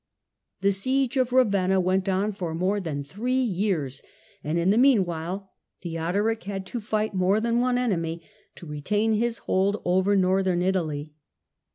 The siege of Ravenna went on for more than three years, and in the meanwhile Theodoric had to fight more than one enemy to retain his hold over Northern Italy.